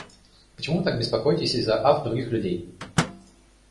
Почему вы так беспокоитесь из-за ав других людей?